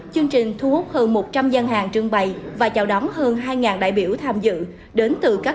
chương trình thu hút hơn một trăm linh gian hàng trương bày và chào đón hơn hai đại biểu tham dự đến từ các